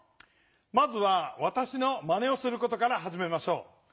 まずはわたしのまねをすることからはじめましょう。